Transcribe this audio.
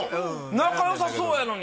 仲よさそうやのに。